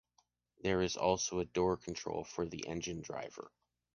There is also a door control for the engine driver.